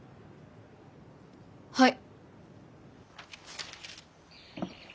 はい。